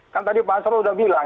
kan tadi pak arsul sudah bilang